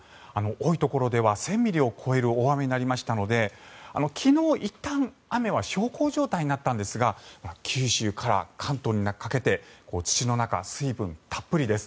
多いところでは１０００ミリを超える大雨になりましたので昨日いったん雨は小康状態になったんですが九州から関東にかけて土の中、水分たっぷりです。